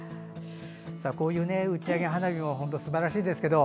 こういう打ち上げ花火もすばらしいですけど